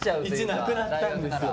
１なくなったんですよ。